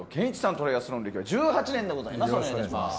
トライアスロン歴は１８年です。